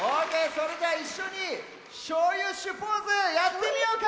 それじゃいっしょにショウユッシュポーズやってみようか！